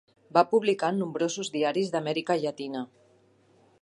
Va publicar en nombrosos diaris d'Amèrica Llatina.